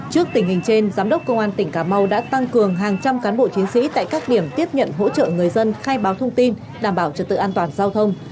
trước tình hình trên giám đốc công an tỉnh cà mau đã tăng cường hàng trăm cán bộ chiến sĩ tại các điểm tiếp nhận hỗ trợ người dân khai báo thông tin đảm bảo trật tự an toàn giao thông